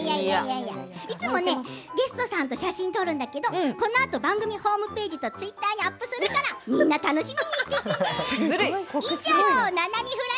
いつもゲストさんと写真を撮るんだけどこのあと番組ホームページとツイッターにアップするから楽しみにしていてね。